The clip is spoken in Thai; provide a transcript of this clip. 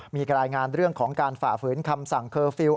มีรายงานเรื่องของการฝ่าฝืนคำสั่งเคอร์ฟิลล